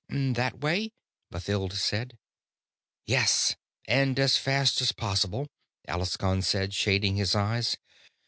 "That way?" Mathild said. "Yes, and as fast as possible," Alaskon said, shading his eyes.